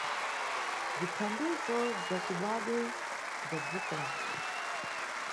Bzithandizo bza cibadwe bza dziko lathu.